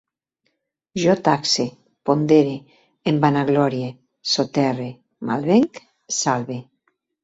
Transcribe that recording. Jo taxe, pondere, em vanaglorie, soterre, malvenc, salve